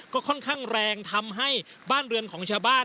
ก็ค่อนข้างแรงทำให้บ้านเรือนของชาวบ้าน